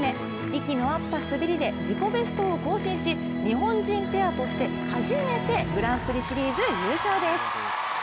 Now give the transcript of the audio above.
息の合った滑りで自己ベストを更新し日本人ペアとして初めてグランプリシリーズ優勝です。